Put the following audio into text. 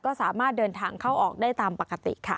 ก็สามารถเดินทางเข้าออกได้ตามปกติค่ะ